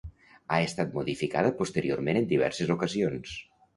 Ha estat modificada posteriorment en diverses ocasions.